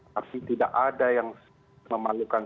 tapi tidak ada yang memalukan